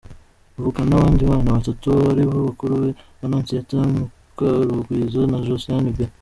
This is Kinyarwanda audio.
Avukana n’abandi bana batatu ari bo bakuru be Annonciatta Mukarungwiza na Josiane B.